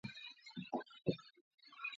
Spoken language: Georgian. დაკრძალულია თბილისის სომხურ პანთეონში.